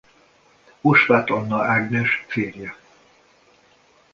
Osváth Anna Ágnes férje.